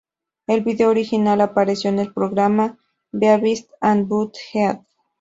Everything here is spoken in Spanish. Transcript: El video original apareció en el programa "Beavis and Butt-Head".